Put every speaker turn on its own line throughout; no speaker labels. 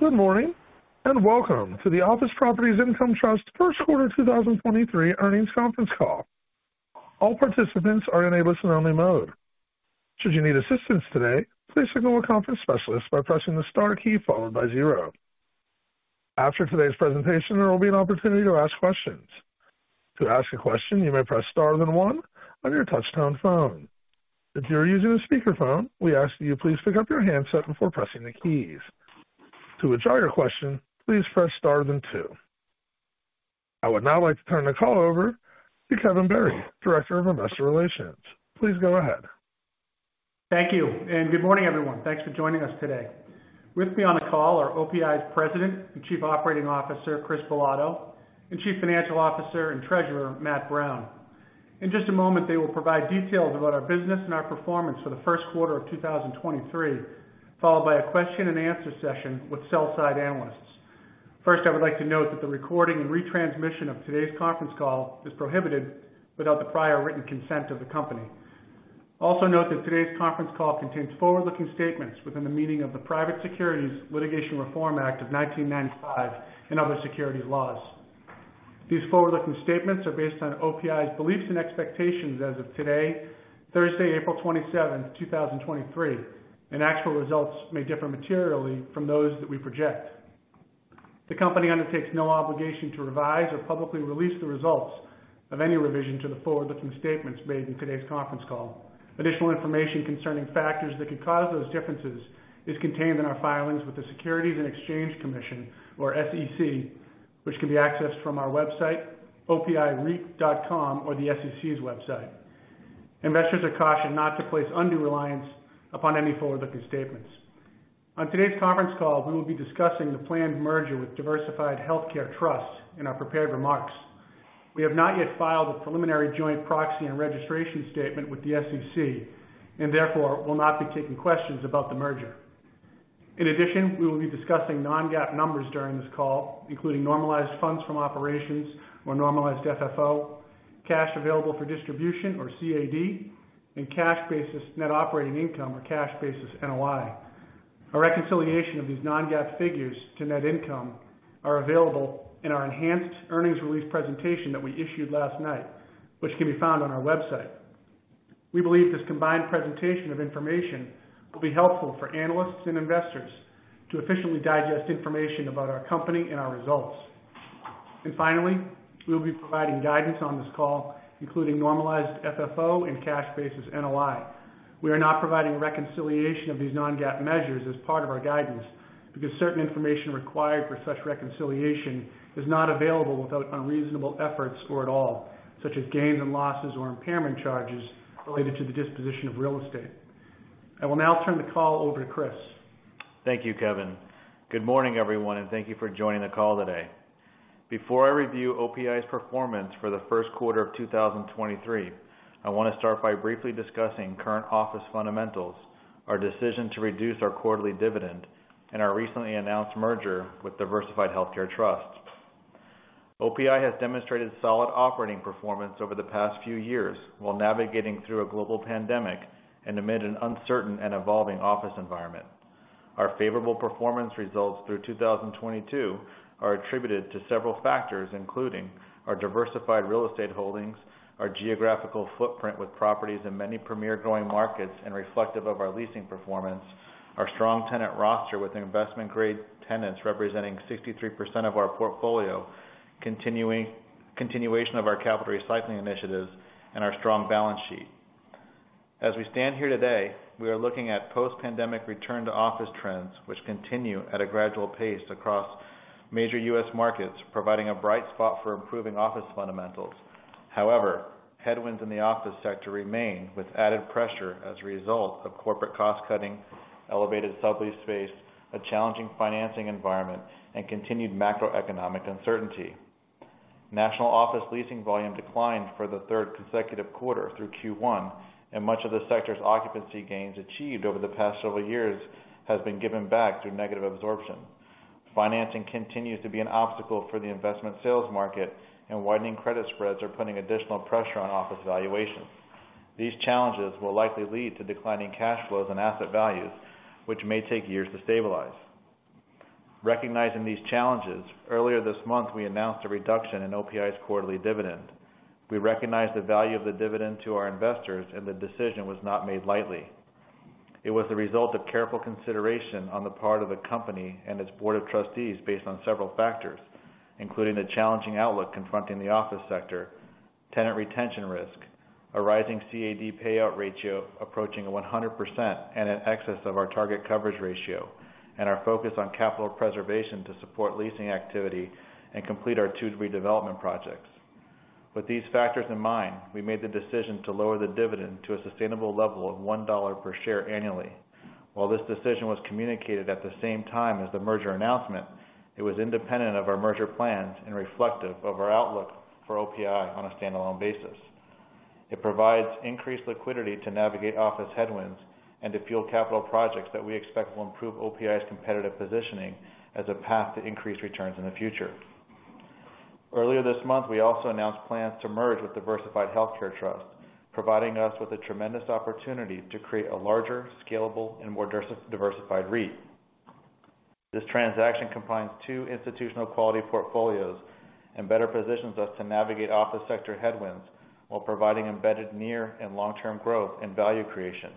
Good morning, welcome to the Office Properties Income Trust first quarter 2023 earnings conference call. All participants are in a listen-only mode. Should you need assistance today, please signal a conference specialist by pressing the star key followed by 0. After today's presentation, there will be an opportunity to ask questions. To ask a question, you may press star then one on your touchtone phone. If you are using a speakerphone, we ask that you please pick up your handset before pressing the keys. To withdraw your question, please press star then two. I would now like to turn the call over to Kevin Barry, Director of Investor Relations. Please go ahead.
Thank you, good morning, everyone. Thanks for joining us today. With me on the call are OPI's President and Chief Operating Officer, Chris Bilotto, and Chief Financial Officer and Treasurer, Matt Brown. In just a moment, they will provide details about our business and our performance for the first quarter of 2023, followed by a question-and-answer session with sell side analysts. First, I would like to note that the recording and retransmission of today's conference call is prohibited without the prior written consent of the company. Also note that today's conference call contains forward-looking statements within the meaning of the Private Securities Litigation Reform Act of 1995 and other securities laws. These forward-looking statements are based on OPI's beliefs and expectations as of today, Thursday, April 27th, 2023, and actual results may differ materially from those that we project. The company undertakes no obligation to revise or publicly release the results of any revision to the forward-looking statements made in today's conference call. Additional information concerning factors that could cause those differences is contained in our filings with the Securities and Exchange Commission or SEC, which can be accessed from our website, opireit.com, or the SEC's website. Investors are cautioned not to place undue reliance upon any forward-looking statements. On today's conference call, we will be discussing the planned merger with Diversified Healthcare Trust in our prepared remarks. We have not yet filed a preliminary joint proxy and registration statement with the SEC, and therefore, will not be taking questions about the merger. In addition, we will be discussing non-GAAP numbers during this call, including normalized funds from operations or normalized FFO, cash available for distribution or CAD, and cash basis net operating income or cash basis NOI. A reconciliation of these non-GAAP figures to net income are available in our enhanced earnings release presentation that we issued last night, which can be found on our website. We believe this combined presentation of information will be helpful for analysts and investors to efficiently digest information about our company and our results. Finally, we will be providing guidance on this call, including normalized FFO and cash basis NOI. We are not providing reconciliation of these non-GAAP measures as part of our guidance because certain information required for such reconciliation is not available without unreasonable efforts or at all, such as gains and losses or impairment charges related to the disposition of real estate. I will now turn the call over to Chris.
Thank you, Kevin. Good morning, everyone, and thank you for joining the call today. Before I review OPI's performance for the first quarter of 2023, I want to start by briefly discussing current office fundamentals, our decision to reduce our quarterly dividend and our recently announced merger with Diversified Healthcare Trust. OPI has demonstrated solid operating performance over the past few years while navigating through a global pandemic and amid an uncertain and evolving office environment. Our favorable performance results through 2022 are attributed to several factors, including our diversified real estate holdings, our geographical footprint with properties in many premier growing markets and reflective of our leasing performance, our strong tenant roster with investment-grade tenants representing 63% of our portfolio continuation of our capital recycling initiatives and our strong balance sheet. As we stand here today, we are looking at post-pandemic return to office trends which continue at a gradual pace across major U.S. markets, providing a bright spot for improving office fundamentals. However, headwinds in the office sector remain with added pressure as a result of corporate cost-cutting, elevated subleased space, a challenging financing environment and continued macroeconomic uncertainty. National office leasing volume declined for the third consecutive quarter through Q1. Much of the sector's occupancy gains achieved over the past several years has been given back through negative absorption. Financing continues to be an obstacle for the investment sales market. Widening credit spreads are putting additional pressure on office valuations. These challenges will likely lead to declining cash flows and asset values, which may take years to stabilize. Recognizing these challenges, earlier this month, we announced a reduction in OPI's quarterly dividend. We recognize the value of the dividend to our investors, and the decision was not made lightly. It was the result of careful consideration on the part of the company and its board of trustees based on several factors, including the challenging outlook confronting the office sector, tenant retention risk, a rising CAD payout ratio approaching 100% and in excess of our target coverage ratio, and our focus on capital preservation to support leasing activity and complete our two redevelopment projects. With these factors in mind, we made the decision to lower the dividend to a sustainable level of $1 per share annually. While this decision was communicated at the same time as the merger announcement, it was independent of our merger plans and reflective of our outlook for OPI on a standalone basis. It provides increased liquidity to navigate office headwinds and to fuel capital projects that we expect will improve OPI's competitive positioning as a path to increase returns in the future. Earlier this month, we also announced plans to merge with Diversified Healthcare Trust, providing us with a tremendous opportunity to create a larger, scalable and more diversified REIT. This transaction combines two institutional quality portfolios and better positions us to navigate office sector headwinds while providing embedded near and long-term growth and value creation.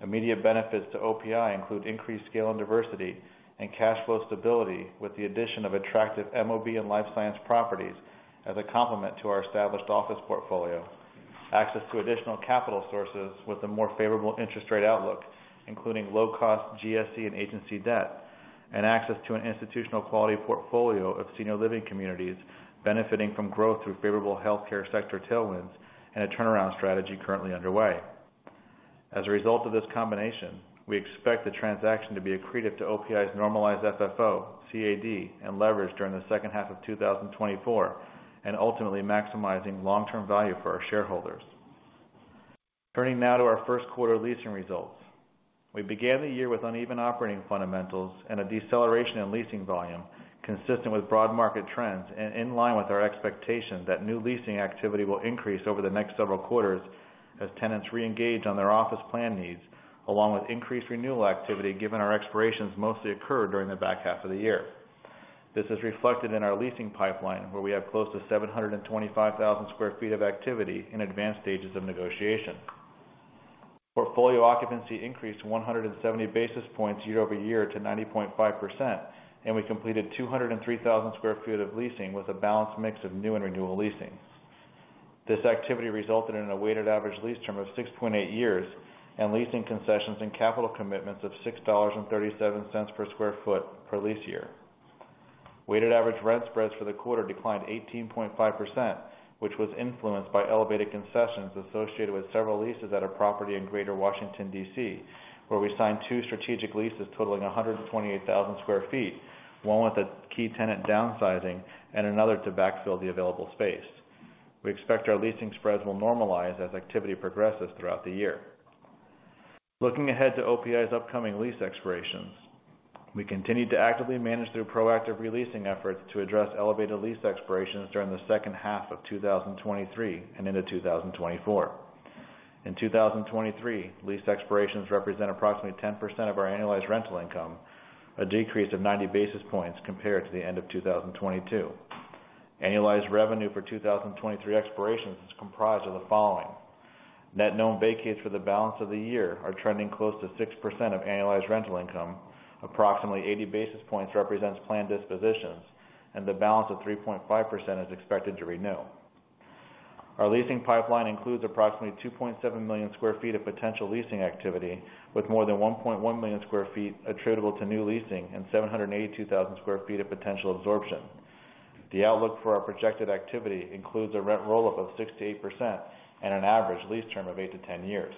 Immediate benefits to OPI include increased scale and diversity and cash flow stability, with the addition of attractive MOB and life science properties as a complement to our established office portfolio. Access to additional capital sources with a more favorable interest rate outlook, including low cost GSE and agency debt, and access to an institutional quality portfolio of senior living communities benefiting from growth through favorable healthcare sector tailwinds and a turnaround strategy currently underway. As a result of this combination, we expect the transaction to be accretive to OPI's normalized FFO, CAD and leverage during the second half of 2024, and ultimately maximizing long-term value for our shareholders. Turning now to our first quarter leasing results. We began the year with uneven operating fundamentals and a deceleration in leasing volume, consistent with broad market trends and in line with our expectation that new leasing activity will increase over the next several quarters as tenants re-engage on their office plan needs, along with increased renewal activity, given our expirations mostly occur during the back half of the year. This is reflected in our leasing pipeline, where we have close to 725,000 sq ft of activity in advanced stages of negotiation. Portfolio occupancy increased 170 basis points year-over-year to 90.5%, and we completed 203,000 sq ft of leasing with a balanced mix of new and renewal leasing. This activity resulted in a weighted average lease term of 6.8 years and leasing concessions and capital commitments of $6.37 per sq ft per lease year. Weighted average rent spreads for the quarter declined 18.5%, which was influenced by elevated concessions associated with several leases at a property in Greater Washington, D.C., where we signed two strategic leases totaling 128,000 sq ft, one with a key tenant downsizing and another to backfill the available space. We expect our leasing spreads will normalize as activity progresses throughout the year. Looking ahead to OPI's upcoming lease expirations. We continued to actively manage through proactive re-leasing efforts to address elevated lease expirations during the second half of 2023 and into 2024. In 2023, lease expirations represent approximately 10% of our annualized rental income, a decrease of 90 basis points compared to the end of 2022. Annualized revenue for 2023 expirations is comprised of the following: Net known vacates for the balance of the year are trending close to 6% of annualized rental income. Approximately 80 basis points represents planned dispositions, and the balance of 3.5% is expected to renew. Our leasing pipeline includes approximately 2.7 million sq ft of potential leasing activity, with more than 1.1 million sq ft attributable to new leasing and 782,000 sq ft of potential absorption. The outlook for our projected activity includes a rent roll of 6%-8% and an average lease term of eight to 10 years.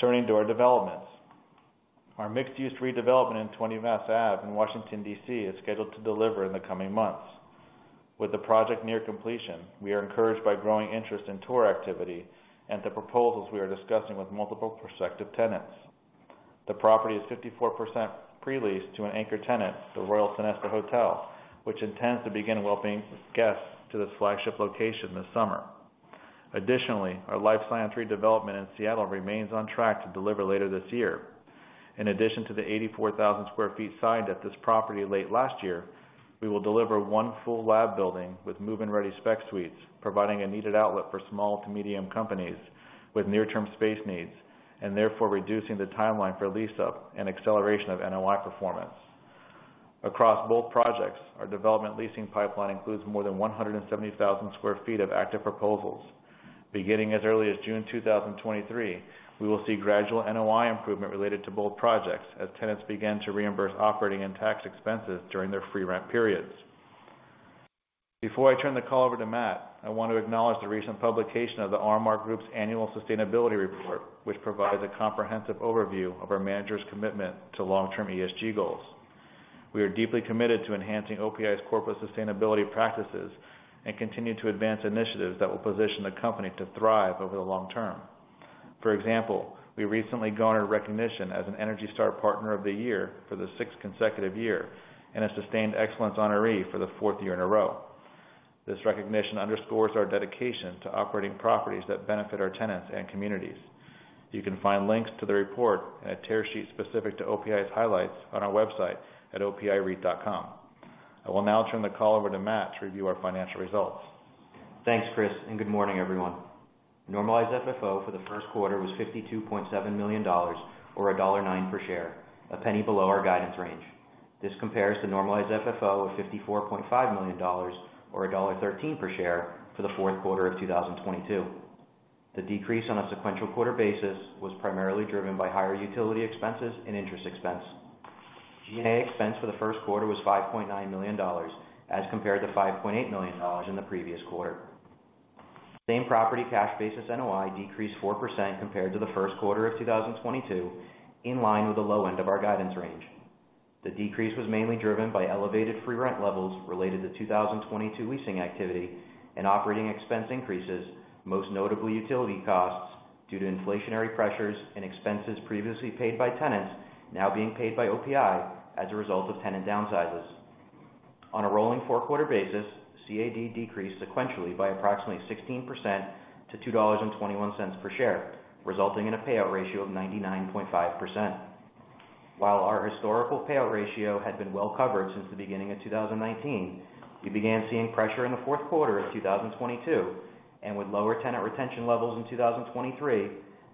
Turning to our developments. Our mixed-use redevelopment in 20 Mass Ave in Washington, D.C. is scheduled to deliver in the coming months. With the project near completion, we are encouraged by growing interest in tour activity and the proposals we are discussing with multiple prospective tenants. The property is 54% pre-leased to an anchor tenant, the Royal Sonesta Hotel, which intends to begin welcoming guests to this flagship location this summer. Our life science redevelopment in Seattle remains on track to deliver later this year. In addition to the 84,000 sq ft signed at this property late last year, we will deliver one full lab building with move and ready spec suites, providing a needed outlet for small to medium companies with near-term space needs, and therefore reducing the timeline for lease-up and acceleration of NOI performance. Across both projects, our development leasing pipeline includes more than 170,000 sq ft of active proposals. Beginning as early as June 2023, we will see gradual NOI improvement related to both projects as tenants begin to reimburse operating and tax expenses during their free rent periods. Before I turn the call over to Matt, I want to acknowledge the recent publication of the RMR Group's annual sustainability report, which provides a comprehensive overview of our manager's commitment to long-term ESG goals. We are deeply committed to enhancing OPI's corporate sustainability practices and continue to advance initiatives that will position the company to thrive over the long term. For example, we recently garnered recognition as an Energy Star Partner of the Year for the sixth consecutive year and a Sustained Excellence honoree for the fourth year in a row. This recognition underscores our dedication to operating properties that benefit our tenants and communities. You can find links to the report and a tear sheet specific to OPI's highlights on our website at opireit.com. I will now turn the call over to Matt to review our financial results.
Thanks, Chris, and good morning, everyone. Normalized FFO for the first quarter was $52.7 million or $1.09 per share, a penny below our guidance range. This compares to normalized FFO of $54.5 million or $1.13 per share for the fourth quarter of 2022. The decrease on a sequential quarter basis was primarily driven by higher utility expenses and interest expense. G&A expense for the first quarter was $5.9 million, as compared to $5.8 million in the previous quarter. Same property cash basis NOI decreased 4% compared to the first quarter of 2022, in line with the low end of our guidance range. The decrease was mainly driven by elevated free rent levels related to 2022 leasing activity and operating expense increases, most notably utility costs due to inflationary pressures and expenses previously paid by tenants now being paid by OPI as a result of tenant downsizes. On a rolling four-quarter basis, CAD decreased sequentially by approximately 16% to $2.21 per share, resulting in a payout ratio of 99.5%. While our historical payout ratio had been well covered since the beginning of 2019, we began seeing pressure in the fourth quarter of 2022. With lower tenant retention levels in 2023,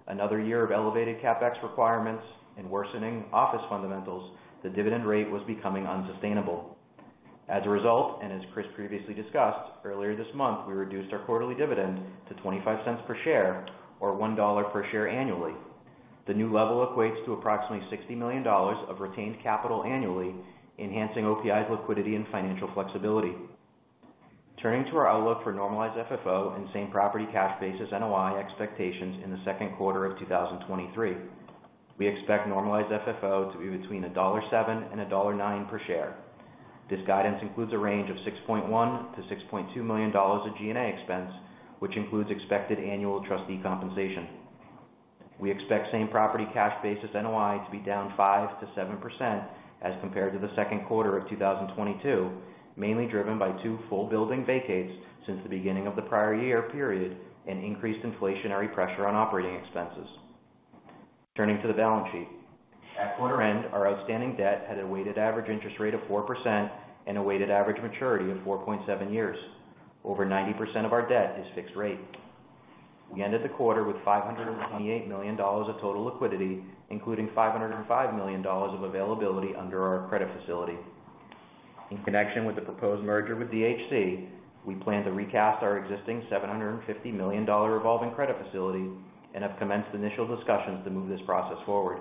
another year of elevated CapEx requirements and worsening office fundamentals, the dividend rate was becoming unsustainable. As a result, as Chris previously discussed, earlier this month, we reduced our quarterly dividend to $0.25 per share or $1 per share annually. The new level equates to approximately $60 million of retained capital annually, enhancing OPI's liquidity and financial flexibility. Turning to our outlook for normalized FFO and same-property cash basis NOI expectations in the second quarter of 2023. We expect normalized FFO to be between $1.07 and $1.09 per share. This guidance includes a range of $6.1 million-$6.2 million of G&A expense, which includes expected annual trustee compensation. We expect same property cash basis NOI to be down 5%-7% as compared to the second quarter of 2022, mainly driven by two full building vacates since the beginning of the prior year period and increased inflationary pressure on operating expenses. Turning to the balance sheet. At quarter end, our outstanding debt had a weighted average interest rate of 4% and a weighted average maturity of 4.7 years. Over 90% of our debt is fixed rate. We ended the quarter with $528 million of total liquidity, including $505 million of availability under our credit facility. In connection with the proposed merger with DHC, we plan to recast our existing $750 million revolving credit facility and have commenced initial discussions to move this process forward.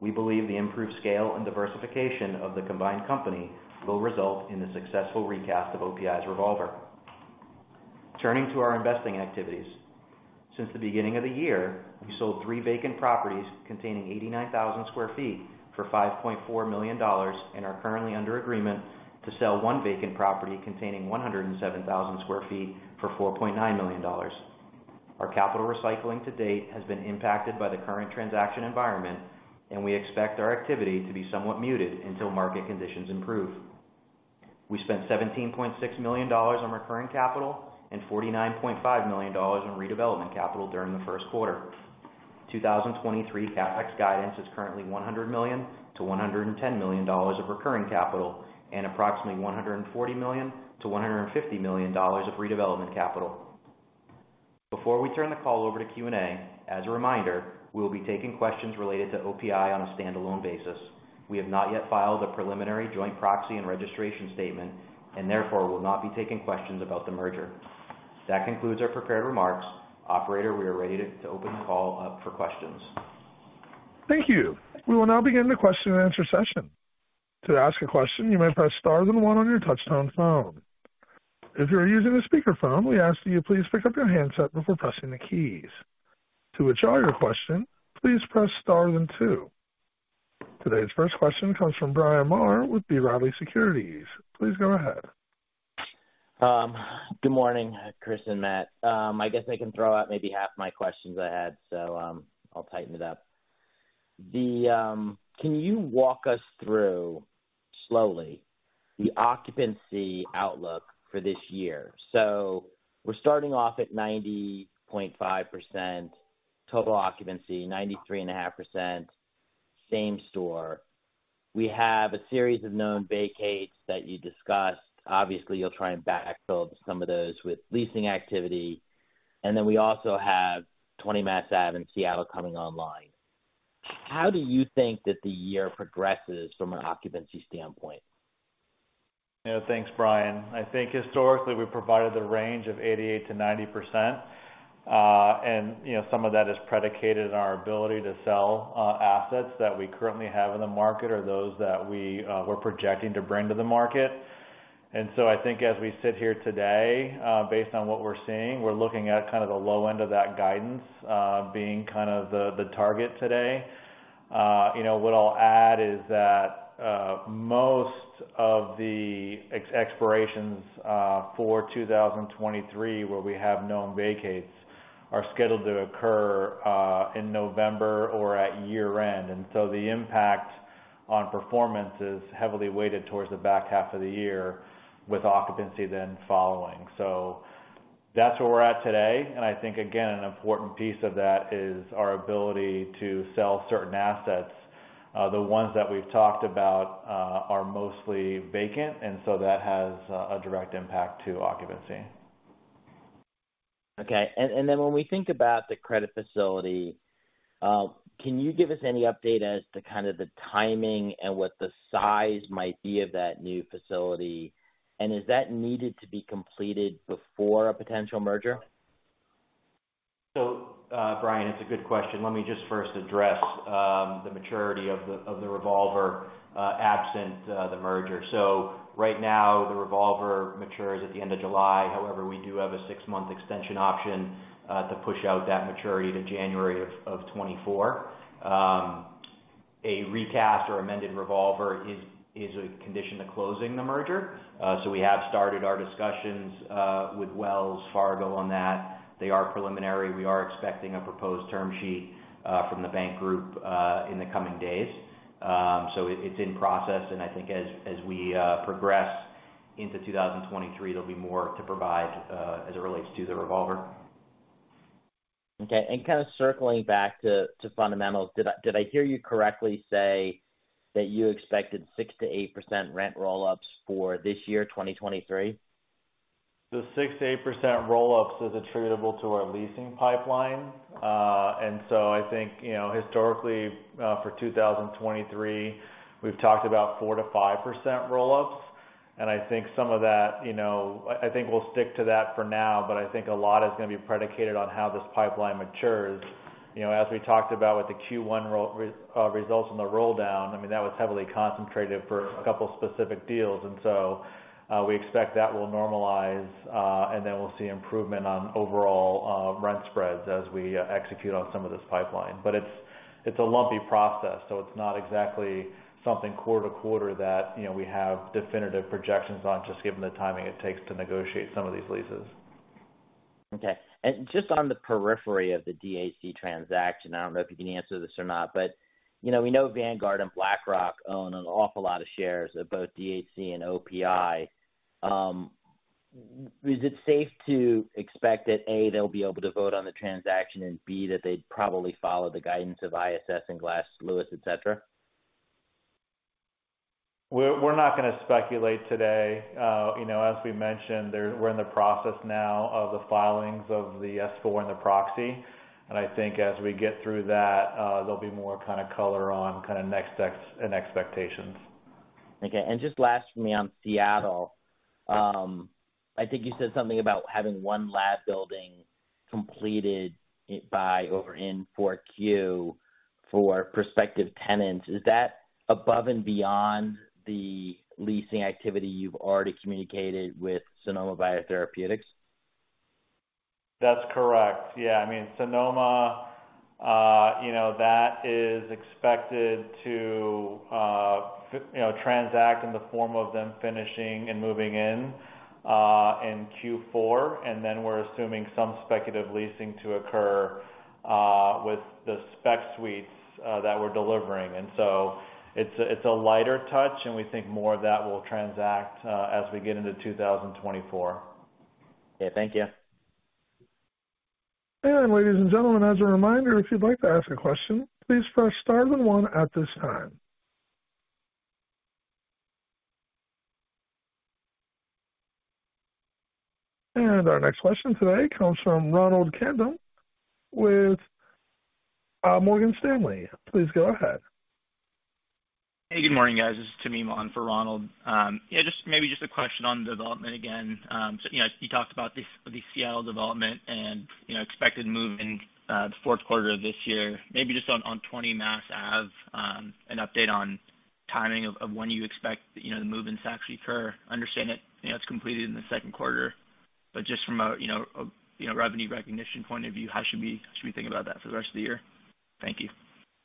We believe the improved scale and diversification of the combined company will result in the successful recast of OPI's revolver. Turning to our investing activities. Since the beginning of the year, we sold three vacant properties containing 89,000 sq ft for $5.4 million and are currently under agreement to sell one vacant property containing 107,000 sq ft for $4.9 million. Our capital recycling to date has been impacted by the current transaction environment, and we expect our activity to be somewhat muted until market conditions improve. We spent $17.6 million on recurring capital and $49.5 million in redevelopment capital during the first quarter. 2023 CapEx guidance is currently $100 million-$110 million of recurring capital and approximately $140 million-$150 million of redevelopment capital. Before we turn the call over to Q&A, as a reminder, we'll be taking questions related to OPI on a standalone basis. We have not yet filed a preliminary joint proxy and registration statement, therefore, we'll not be taking questions about the merger. That concludes our prepared remarks. Operator, we are ready to open the call up for questions.
Thank you. We will now begin the question and answer session. To ask a question, you may press star then one on your touchtone phone. If you're using a speaker phone, we ask that you please pick up your handset before pressing the keys. To withdraw your question, please press star then two. Today's first question comes from Bryan Maher with B. Riley Securities. Please go ahead.
Good morning, Chris and Matt. I guess I can throw out maybe half my questions I had, I'll tighten it up. Can you walk us through, slowly, the occupancy outlook for this year? We're starting off at 90.5% total occupancy, 93.5% same store. We have a series of known vacates that you discussed. Obviously, you'll try and backfill some of those with leasing activity. Then we also have 20 Mass Ave in Seattle coming online. How do you think that the year progresses from an occupancy standpoint?
Yeah, thanks, Bryan. I think historically, we provided the range of 88%-90%. You know, some of that is predicated on our ability to sell assets that we currently have in the market or those that we're projecting to bring to the market. I think as we sit here today, based on what we're seeing, we're looking at kind of the low end of that guidance, being kind of the target today. You know, what I'll add is that most of the expirations for 2023, where we have known vacates, are scheduled to occur in November or at year-end. The impact on performance is heavily weighted towards the back half of the year with occupancy then following. That's where we're at today. I think, again, an important piece of that is our ability to sell certain assets. The ones that we've talked about are mostly vacant, and so that has a direct impact to occupancy.
Okay. Then when we think about the credit facility, can you give us any update as to kind of the timing and what the size might be of that new facility? Is that needed to be completed before a potential merger?
Bryan, it's a good question. Let me just first address the maturity of the revolver, absent the merger. Right now, the revolver matures at the end of July. However, we do have a six-month extension option to push out that maturity to January of 2024. A recast or amended revolver is a condition to closing the merger. We have started our discussions with Wells Fargo on that. They are preliminary. We are expecting a proposed term sheet from the bank group in the coming days. It's in process, and I think as we progress into 2023, there'll be more to provide as it relates to the revolver.
Okay. kind of circling back to fundamentals. Did I hear you correctly say that you expected 6%-8% rent roll-ups for this year, 2023?
The 6%-8% roll-ups is attributable to our leasing pipeline. I think, you know, historically, for 2023, we've talked about 4%-5% roll-ups. I think some of that, you know, I think we'll stick to that for now, but I think a lot is gonna be predicated on how this pipeline matures. As we talked about with the Q1 roll results on the roll down, I mean, that was heavily concentrated for a couple specific deals. We expect that will normalize, and then we'll see improvement on overall rent spreads as we execute on some of this pipeline. It's a lumpy process, so it's not exactly something quarter to quarter that, you know, we have definitive projections on, just given the timing it takes to negotiate some of these leases.
Okay. Just on the periphery of the DHC transaction, I don't know if you can answer this or not, but, you know, we know Vanguard and BlackRock own an awful lot of shares of both DHC and OPI. Is it safe to expect that, A, they'll be able to vote on the transaction and, B, that they'd probably follow the guidance of ISS and Glass Lewis, et cetera?
We're not gonna speculate today. you know, as we mentioned, we're in the process now of the filings of the S-4 and the proxy. I think as we get through that, there'll be more kind of color on kinda next and expectations.
Okay. Just last for me on Seattle. I think you said something about having one lab building completed by or in 4Q for prospective tenants. Is that above and beyond the leasing activity you've already communicated with Sonoma Biotherapeutics?
That's correct. Yeah. I mean, Sonoma, you know, that is expected to transact in the form of them finishing and moving in in Q4. Then we're assuming some speculative leasing to occur with the spec suites that we're delivering. So it's a lighter touch, and we think more of that will transact as we get into 2024.
Okay. Thank you.
Ladies and gentlemen, as a reminder, if you'd like to ask a question, please press star then one at this time. Our next question today comes from Ronald Kamdem with Morgan Stanley. Please go ahead.
Hey, good morning, guys. This is Tamim on for Ronald. Yeah, just maybe just a question on development again. You know, you talked about the Seattle development and, you know, expected move in the fourth quarter of this year. Maybe just on 20 Mass Ave, an update on timing of when you expect, you know, the move-ins to actually occur. Understand it, you know, it's completed in the second quarter, just from a, you know, a, you know, revenue recognition point of view, how should we think about that for the rest of the year? Thank you.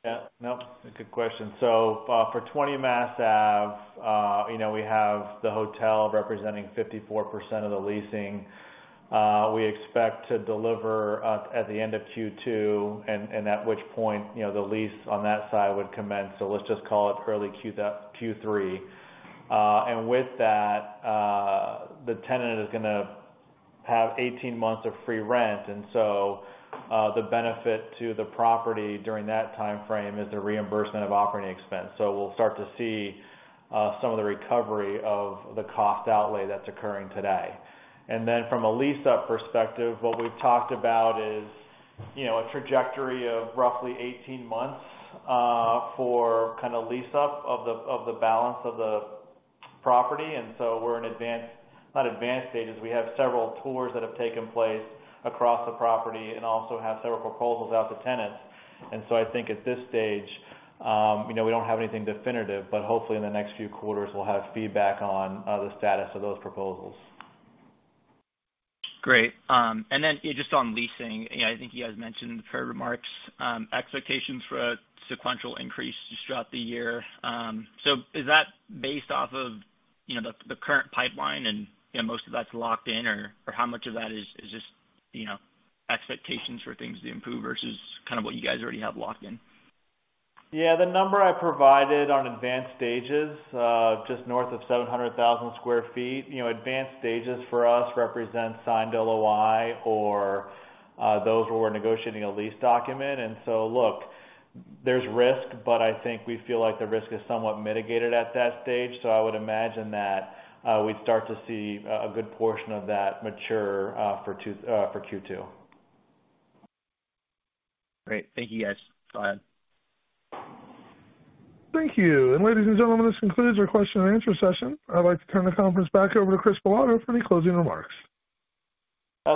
Yeah. No, a good question. For 20 Mass Ave, you know, we have the hotel representing 54% of the leasing. We expect to deliver at the end of Q2 and, at which point, you know, the lease on that side would commence. Let's just call it early Q3. With that, the tenant is gonna have 18 months of free rent. The benefit to the property during that timeframe is the reimbursement of OpEx. We'll start to see, some of the recovery of the cost outlay that's occurring today. From a lease-up perspective, what we've talked about is, you know, a trajectory of roughly 18 months, for kinda lease-up of the, of the balance of the property. Not advanced stages. We have several tours that have taken place across the property and also have several proposals out to tenants. I think at this stage, you know, we don't have anything definitive, but hopefully in the next few quarters, we'll have feedback on the status of those proposals.
Great. Yeah, just on leasing. You know, I think you guys mentioned prepared remarks, expectations for a sequential increase just throughout the year. Is that based off of, you know, the current pipeline and, you know, most of that's locked in? Or how much of that is just, you know, expectations for things to improve versus kind of what you guys already have locked in?
Yeah. The number I provided on advanced stages, just north of 700,000 sq ft. You know, advanced stages for us represents signed LOI or those where we're negotiating a lease document. Look, there's risk, but I think we feel like the risk is somewhat mitigated at that stage. I would imagine that we'd start to see a good portion of that mature for Q2.
Great. Thank you, guys. Go ahead.
Thank you. Ladies and gentlemen, this concludes our question and answer session. I'd like to turn the conference back over to Chris Bilotto for any closing remarks.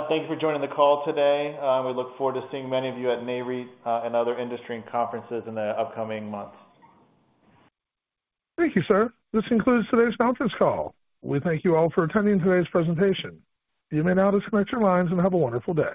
Thank you for joining the call today. We look forward to seeing many of you at NAREIT, and other industry conferences in the upcoming months.
Thank you, sir. This concludes today's conference call. We thank you all for attending today's presentation. You may now disconnect your lines and have a wonderful day.